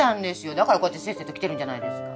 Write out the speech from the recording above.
だからこうやってせっせと来てるんじゃないですか。